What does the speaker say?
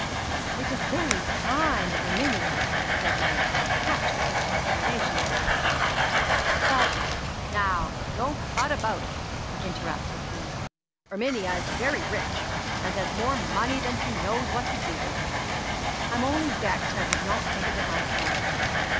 "It was very kind of Erminia," said Maggie, touched at this consideration of her friend; "but..." "Now don't 'but' about it," interrupted he. "Erminia is very rich, and has more money than she knows what to do with. I'm only vexed I did not think of it myself.